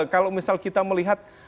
kalau misal kita melihat